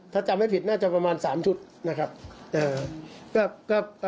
ถ้าจำไม่ผิดน่าจะประมาณ๓ชุดนะครับ